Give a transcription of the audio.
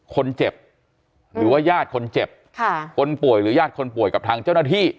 คนเจ็บหรือว่าญาติคนเจ็บค่ะคนป่วยหรือญาติคนป่วยกับทางเจ้าหน้าที่